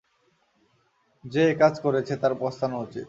যে একাজ করেছে তার পস্তানো উচিত।